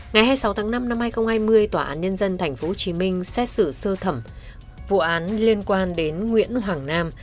ngày hai mươi sáu tháng năm năm hai nghìn hai mươi tòa án nhân dân tp hcm xét xử sơ thẩm vụ án liên quan đến nguyễn hoàng nam